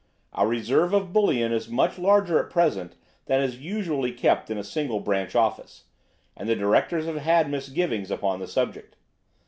Our reserve of bullion is much larger at present than is usually kept in a single branch office, and the directors have had misgivings upon the subject."